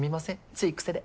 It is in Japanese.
つい癖で。